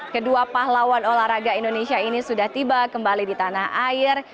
kedua pahlawan olahraga indonesia ini sudah tiba kembali di tanah air